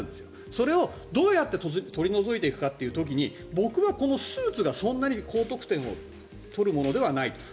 それをどうやって取り除いていくかって時に僕はこのスーツがそんなに高得点を取るものではない。